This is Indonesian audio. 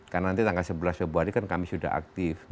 karena nanti tanggal sebelas februari kan kami sudah aktif